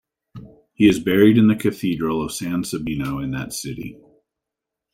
He is buried in the Cathedral of San Sabino in that city.